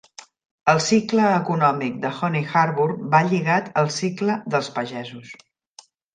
El cicle econòmic de Honey Harbour va lligat al cicle dels pagesos.